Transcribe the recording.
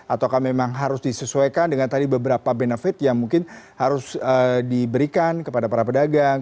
atau memang harus disesuaikan dengan tadi beberapa benefit yang mungkin harus diberikan kepada para pedagang